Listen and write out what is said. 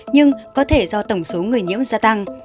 nhưng có thể do tổng số người nhiễm gia tăng